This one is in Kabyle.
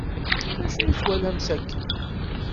D acu ay walan sakkin?